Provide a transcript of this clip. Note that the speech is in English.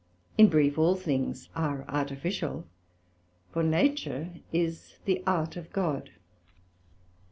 In brief, all things are artificial; for Nature is the Art of God.